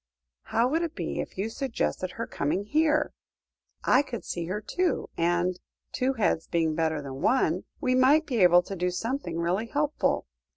"How would it be if you suggested her coming here? I could see her too, and two heads being better than one we might be able to do something really helpful.